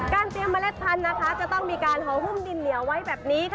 เตรียมเมล็ดพันธุ์จะต้องมีการหอหุ้มดินเหนียวไว้แบบนี้ค่ะ